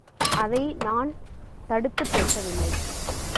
அதை நான் தடுத்துப் பேசவில்லை.